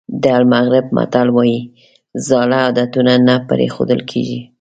د المغرب متل وایي زاړه عادتونه نه پرېښودل کېږي.